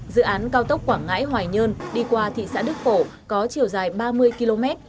dự án cao tốc quảng ngãi hoài nhơn đi qua thị xã đức phổ có chiều dài ba mươi km